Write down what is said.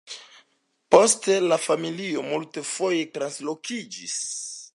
Poste la familio multfoje translokiĝis.